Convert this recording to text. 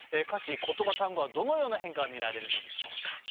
歌詞言葉単語はどのような変化が見られるのでしょうか。